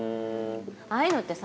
ああいうのってさ